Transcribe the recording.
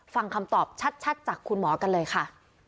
ฟังคำตอบชัดจากคุณหมอกันเลยค่ะ